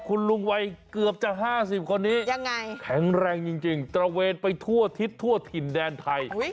คุณลุงไวเกือบจะ๕๐คนนี้ยังไงแข็งแรงจริงจรวมไปทั่วอาทิตย์ทั่วถิ่นแดนไทย